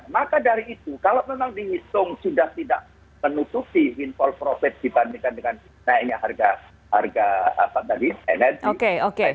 maka dari itu kalau memang dihitung sudah tidak menutupi windfall profit dibandingkan dengan naiknya harga energi